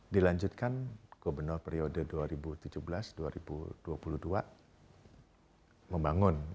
dilanjutkan gubernur periode dua ribu tujuh belas dua ribu dua puluh dua membangun